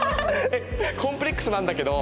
コンプレックスなんだけど。